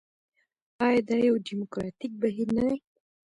آیا دا یو ډیموکراټیک بهیر نه دی؟